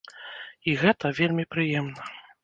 І гэта вельмі прыемна!